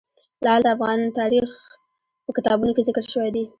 لعل د افغان تاریخ په کتابونو کې ذکر شوی دي.